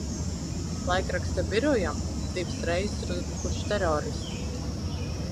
Laikraksta birojam divas reizes ir uzbrukuši teroristi.